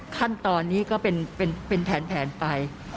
ขั้นตอนนี้ก็เป็นแผนไป